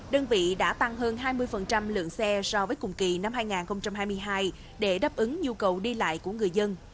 đơn vị đã tăng hơn hai mươi lượng xe so với cùng kỳ năm hai nghìn hai mươi hai để đáp ứng nhu cầu đi lại của người dân